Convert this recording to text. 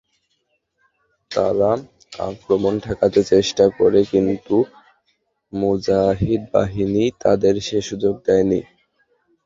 তারা আক্রমণ ঠেকাতে চেষ্টা করে কিন্তু মুজাহিদ বাহিনী তাদের সে সুযোগ দেয়নি।